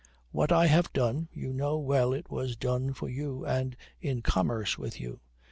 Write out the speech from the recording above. What I have done you know well it was done for you and in commerce with you."